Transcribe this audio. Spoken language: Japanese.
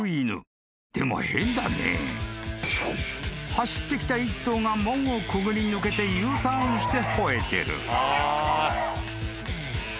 ［走ってきた一頭が門をくぐり抜けてＵターンして吠えてる］